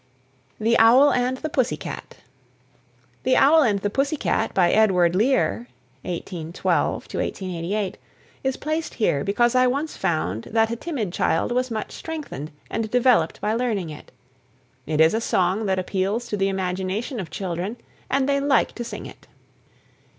THE OWL AND THE PUSSY CAT. "The Owl and the Pussy Cat," by Edward Lear (1812 88), is placed here because I once found that a timid child was much strengthened and developed by learning it. It is a song that appeals to the imagination of children, and they like to sing it.